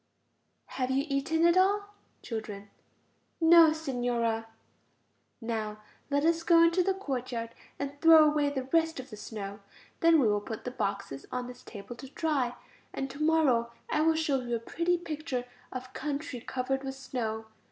Have you eaten it all? Children. No, Signora. Now let us go into the courtyard and throw away the rest of the snow. Then we will put the boxes on this table to dry. And to morrow I will show you a pretty picture of country covered with snow.